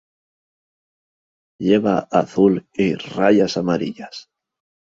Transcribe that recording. Lleva azul y rayas amarillas.